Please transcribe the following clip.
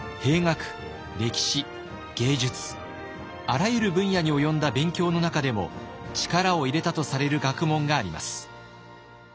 あらゆる分野に及んだ勉強の中でも力を入れたとされる学問があります。